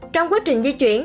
trong quá trình di chuyển